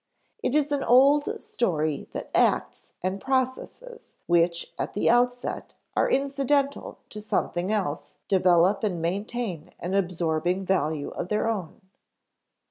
It is an old story that acts and processes which at the outset are incidental to something else develop and maintain an absorbing value of their own.